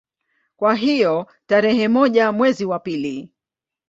Kwa hiyo tarehe moja mwezi wa pili